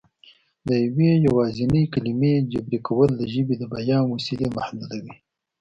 د یوې یوازینۍ کلمې جبري کول د ژبې د بیان وسیلې محدودوي